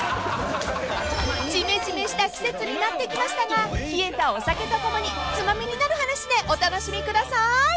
［ジメジメした季節になってきましたが冷えたお酒とともに『ツマミになる話』でお楽しみくださーい］